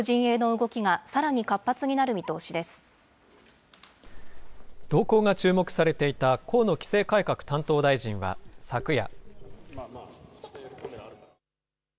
動向が注目されていた河野規制改革担当大臣は、昨夜。